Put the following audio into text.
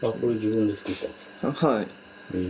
はい。